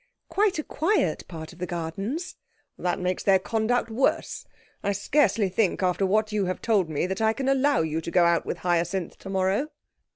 'Quite a quiet part of the Gardens.' 'That makes their conduct worse. I scarcely think, after what you have told me, that I can allow you to go out with Hyacinth tomorrow.'